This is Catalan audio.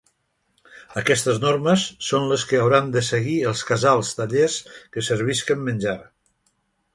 Aquestes normes són les que hauran de seguir els casals fallers que servisquen menjar.